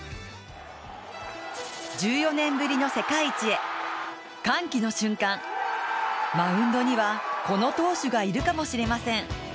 １４年ぶりの世界一へ、歓喜の瞬間、マウンドにはこの投手がいるかもしれません。